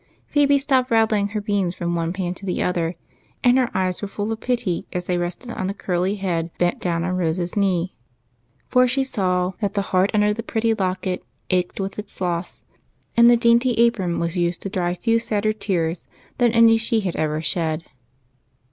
Phebe stopped rattling her beans from one pan to the other, and her eyes were full of pity as they rested on the curly head bent down on Rose's knee, for she saw that the heart under the pretty locket ached with its loss, and the dainty apron was used to dry sadder tears than any she had ever shed.